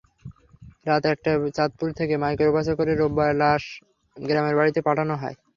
রাত একটায় চাঁদপুর থেকে মাইক্রোবাসে করে রোববার লাশ গ্রামের বাড়িতে পাঠানো হয়।